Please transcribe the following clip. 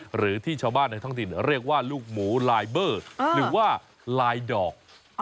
หรือที่ชาวบ้านในท้องถิ่นเรียกว่าลูกหมูลายเบอร์หรือว่าลายดอก